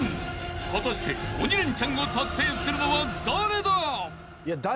［果たして鬼レンチャンを達成するのは誰だ？］